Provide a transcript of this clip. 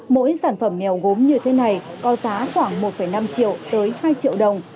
mỗi sản phẩm mèo gốm như thế này có giá khoảng một năm triệu tới hai triệu đồng